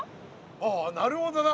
ああなるほどな。